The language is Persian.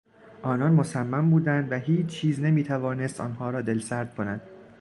آنان مصمم بودند و هیچ چیز نمیتوانست آنها را دلسرد کند.